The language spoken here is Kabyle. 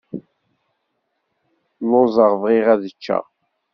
Lluẓeɣ, bɣiɣ ad ččeɣ.